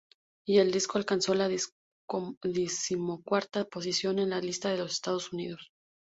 Y el disco alcanzó la decimocuarta posición en las lista de los Estados Unidos.